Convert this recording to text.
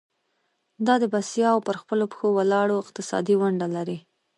دا د بسیا او پر خپلو پخو ولاړ اقتصاد ونډه لري.